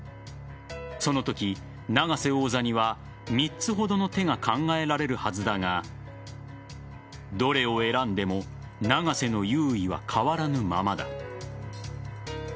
そのとき、永瀬王座には３つほどの手が考えられるはずだがどれを選んでも永瀬の優位は変わらぬままだ。